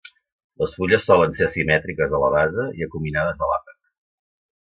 Les fulles solen ser asimètriques a la base i acuminades a l'àpex.